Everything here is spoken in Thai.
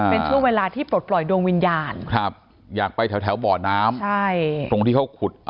เป็นช่วงเวลาที่ปลดปล่อยดวงวิญญาณครับอยากไปแถวบ่อน้ำใช่ตรงที่เขาขุด